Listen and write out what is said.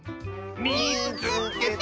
「みいつけた！」。